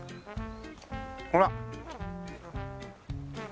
ほら。